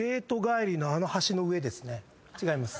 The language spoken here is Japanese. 違います。